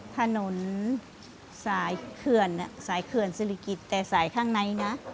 ถนนสายเขื่อนสริกิจแต่สายข้างในนะ